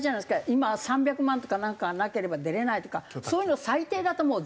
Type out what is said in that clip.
今は３００万とかなんかなければ出れないとかそういうの最低だと思う。